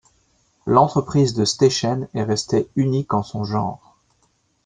L'entreprise de Steichen est restée unique en son genre.